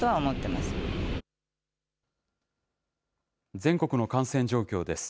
全国の感染状況です。